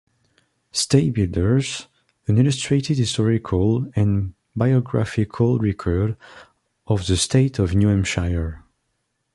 State Builders: An Illustrated Historical and Biographical Record of the State of New Hampshire.